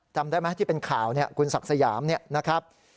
จำได้ไหมที่เป็นข่าวเนี่ยคุณศักดิ์สยามเนี่ยนะครับ